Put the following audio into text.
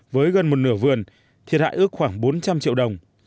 với gần một nửa vườn thiệt hại ước khoảng bốn trăm linh triệu đồng